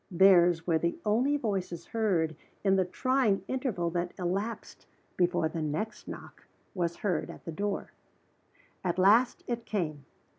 Theirs were the only voices heard in the trying interval that elapsed before the next knock was heard at the door. At last it came.